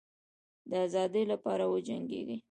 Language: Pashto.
د آزادی لپاره وجنګېږی.